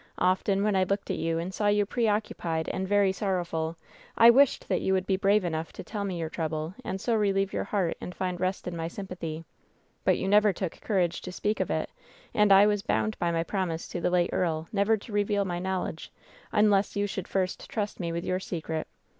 Often when I looked at you and saw you pre occupied and very sorrowful, I wished that you would be brave enough to tell me your trouble and so relieve your heart and find rest in my sympathy. But you never took courage to speak of it, and I was bound by my promise to the late earl never to reveal my knowl edge unless you should first trust me with your secret.